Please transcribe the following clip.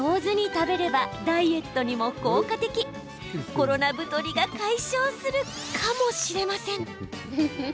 コロナ太りが解消するかもしれません。